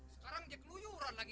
sekarang jek luyuran lagi